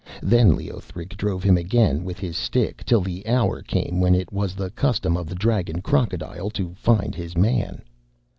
Then Leothric drove him again with his stick till the hour came when it was the custom of the dragon crocodile to find his man.